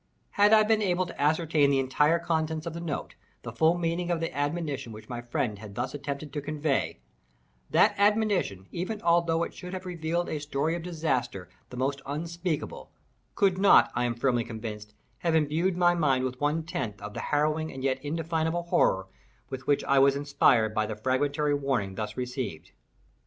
Had I been able to ascertain the entire contents of the note—the full meaning of the admonition which my friend had thus attempted to convey, that admonition, even although it should have revealed a story of disaster the most unspeakable, could not, I am firmly convinced, have imbued my mind with one tithe of the harrowing and yet indefinable horror with which I was inspired by the fragmentary warning thus received.